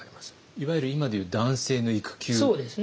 いわゆる今でいう男性の育休ですね。